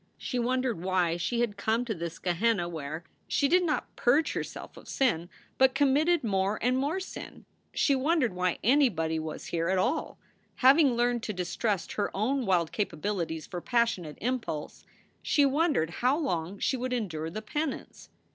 She wondered why she had come to this Gehenna where she did not purge herself of sin, but committed more and more sin. She wondered why anybody was here at all. Having learned to distrust her own wild capabilities for passionate impulse, she wondered how long she would endure the penance.